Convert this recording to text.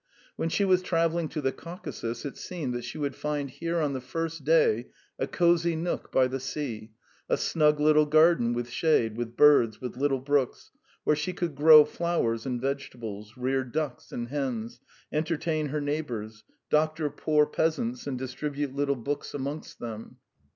When she was travelling to the Caucasus, it seemed that she would find here on the first day a cosy nook by the sea, a snug little garden with shade, with birds, with little brooks, where she could grow flowers and vegetables, rear ducks and hens, entertain her neighbours, doctor poor peasants and distribute little books amongst them.